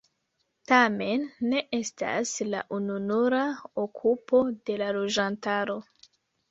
Tamen ne estas la ununura okupo de la loĝantaro.